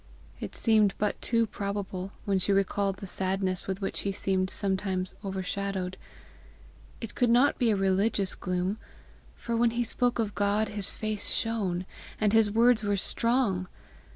It seemed but too probable, when she recalled the sadness with which he seemed sometimes overshadowed: it could not be a religious gloom, for when he spoke of God his face shone, and his words were strong!